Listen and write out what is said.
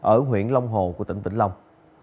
ở huyện long hồ của tỉnh vĩnh long